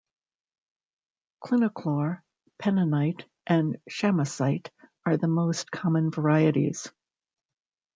Clinoclore, pennantite, and chamosite are the most common varieties.